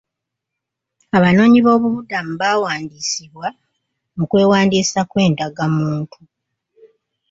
Abanoonyiboobubudamu baawandisiibwa mu kwewandiisa kw'endagamuntu.